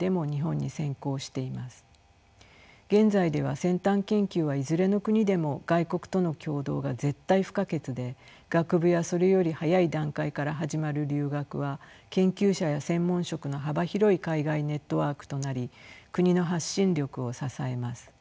現在では先端研究はいずれの国でも外国との協働が絶対不可欠で学部やそれより早い段階から始まる留学は研究者や専門職の幅広い海外ネットワークとなり国の発信力を支えます。